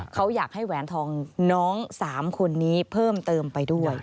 เขาอยากให้แหวนทองน้อง๓คนนี้เพิ่มเติมไปด้วย